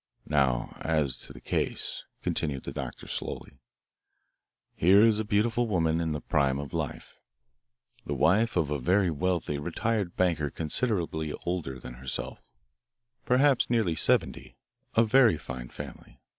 "Now, as to the case," continued the doctor slowly. "Here is a beautiful woman in the prime of life, the wife of a very wealthy retired banker considerably older than herself perhaps nearly seventy of very fine family.